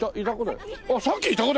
さっきいた子だよ。